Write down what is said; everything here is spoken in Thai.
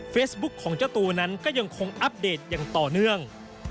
ของเจ้าตัวนั้นก็ยังคงอัปเดตอย่างต่อเนื่อง